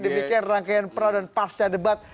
demikian rangkaian pra dan pasca debat